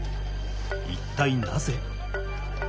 一体なぜ？